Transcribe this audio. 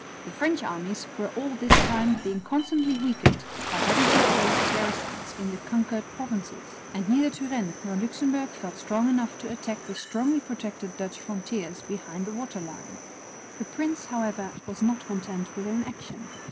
The French armies were all this time being constantly weakened by having to place garrisons in the conquered provinces; and neither Turenne nor Luxemburg felt strong enough to attack the strongly protected Dutch frontiers behind the water line. The prince, however, was not content with inaction.